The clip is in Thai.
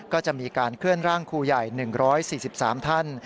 ก็จะมีการเคลื่อนร่างครูใหญ่๑๔๓ท่าน